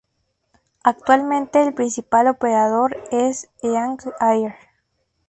Actualmente el principal operador es Eagle Air.